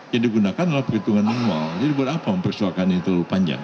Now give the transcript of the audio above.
yang digunakan adalah perhitungan minimal jadi buat apa mempersoalkan ini terlalu panjang